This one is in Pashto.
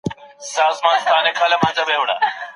که هغوی غواړي ټولنه جوړه کړي، بايد له ځانه يې پيل کړي.